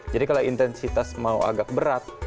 jadi kalau intensitas mau agak berat